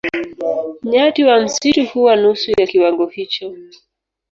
Nyati wa msitu huwa nusu ya kiwango hicho.